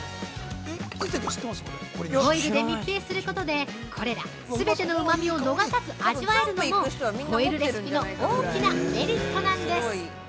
ホイルで密閉することでこれら、すべてのうまみを逃さず味わえるのもホイルレシピの大きなメリットなんです！